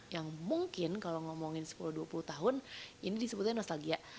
yang mungkin kalau ngomongin sepuluh dua puluh tahun ini disebutnya nostalgia